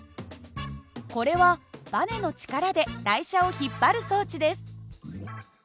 これはばねの力で台車を引っ張る装置です。